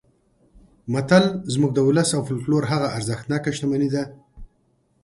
متل زموږ د ولس او فولکلور هغه ارزښتناکه شتمني ده